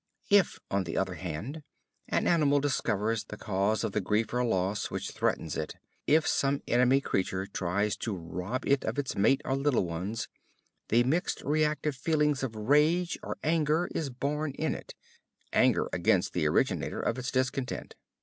If, on the other hand, an animal discovers the cause of the grief or loss which threatens it; if some enemy creature tries to rob it of its mate or little ones, the mixed reactive feeling of rage or anger is born in it, anger against the originator of its discontent.